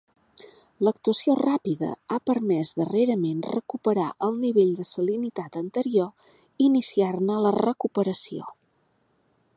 L'actuació ràpida ha permès darrerament recuperar el nivell de salinitat anterior i iniciar-ne la recuperació.